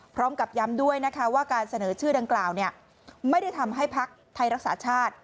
พร้อมกับย้ำด้วยนะคะว่าการเสนอชื่อดังกล่าวไม่ได้ทำให้ภักดิ์ไทยรักษาชาติ